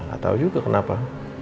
enggak tau juga kenapa